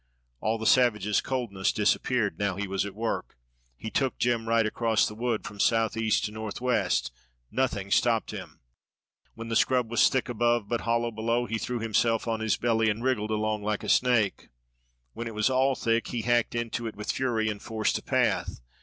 All the savage's coldness disappeared now he was at work. He took Jem right across the wood from southeast to northwest. Nothing stopped him. When the scrub was thick above but hollow below he threw himself on his belly and wriggled along like a snake. When it was all thick, he hacked into it with fury and forced a path.